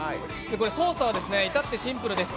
操作は至ってシンプルです。